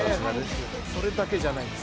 それだけじゃないんです